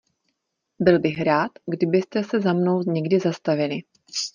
Bych byl rád, kdybyste se za mnou někdy zastavili.